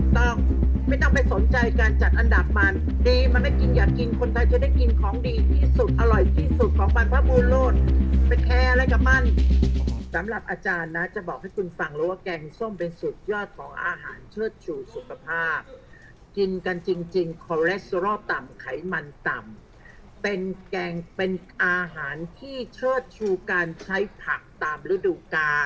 ไม่ต้องไม่ต้องไปสนใจการจัดอันดับมันดีมันได้กินอยากกินคนไทยจะได้กินของดีที่สุดอร่อยที่สุดของบรรพบูโลศไปแคร์อะไรกับมันสำหรับอาจารย์นะจะบอกให้คุณฟังเลยว่าแกงส้มเป็นสุดยอดของอาหารเชิดชูสุขภาพกินกันจริงคอเลสเตอรอลต่ำไขมันต่ำเป็นแกงเป็นอาหารที่เชิดชูการใช้ผักตามฤดูกา